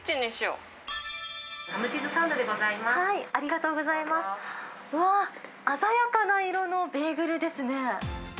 うわー、鮮やかな色のベーグルですね。